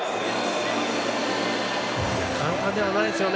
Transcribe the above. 簡単ではないですよね。